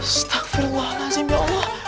astaghfirullahaladzim ya allah